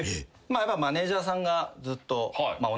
やっぱマネジャーさんがずっと同じ方でね